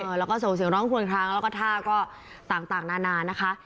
แล้วก็ส่งเสียงร้องควนครั้งแล้วก็ท่าก็ต่างนานานะคะ